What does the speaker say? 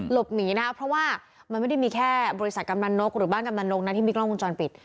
หลบหนีนะครับเพราะว่ามันไม่ได้มีแค่บริษัทกำนันนกหรือบ้านกำนันนกนะที่มีกล้องวงจรปิด